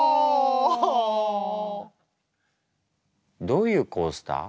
どういうコースター？